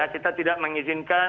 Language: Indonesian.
kita tidak mengizinkan